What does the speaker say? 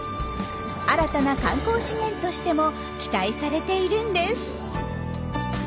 新たな観光資源としても期待されているんです。